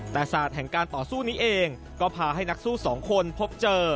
แต่ศาสตร์แห่งการต่อสู้นี้เองก็พาให้นักสู้สองคนพบเจอ